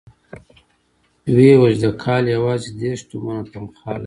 ويې ويل چې د کال يواځې دېرش تومنه تنخوا لري.